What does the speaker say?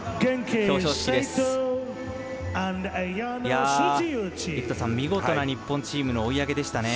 生田さん、見事な日本チームの追い上げでしたね。